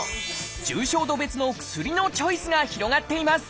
重症度別の薬のチョイスが広がっています